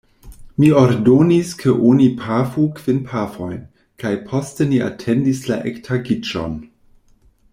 Mi ordonis ke oni pafu kvin pafojn, kaj poste ni atendis la ektagiĝon.